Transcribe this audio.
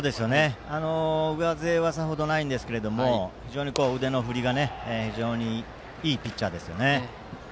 上背はさほどないんですが非常に腕の振りがいいピッチャーですね。